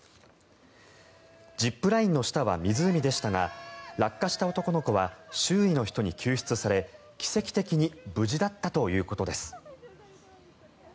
ジップラインの下は湖でしたが落下した男の子は周囲の人に救出され、奇跡的に無事だったということです。